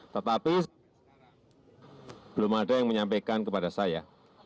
tetapi belum ada yang menyampaikan kepada saya